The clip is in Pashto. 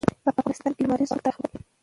په افغانستان کې د لمریز ځواک تاریخ اوږد دی.